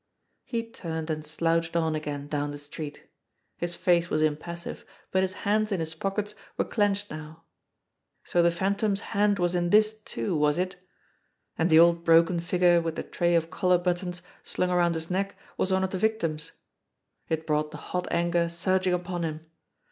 He turned and slouched on again down the street. His face was impassive, but his hands in his pockets were clenched now. So the Phantom's hand was in this, too, was it? And the old broken figure with the tray of collar but tons slung around his neck was one of the victims! It brought the hot anger surging upon him.